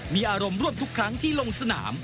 มีอารมณ์ร่วมทุกครั้งที่ลงสนาม